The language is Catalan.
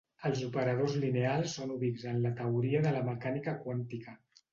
Els operadors lineals són ubics en la teoria de la mecànica quàntica.